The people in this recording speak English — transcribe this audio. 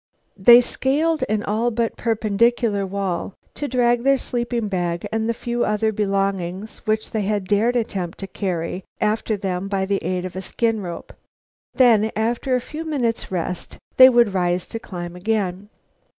They scaled an all but perpendicular wall, to drag their sleeping bag and the few other belongings, which they had dared attempt to carry, after them by the aid of a skin rope. Then, after a few minutes' rest, they would rise to climb again.